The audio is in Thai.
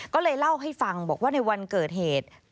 ก็เลยเล่าให้ฟังบอกว่าในวันเกิดเหตุ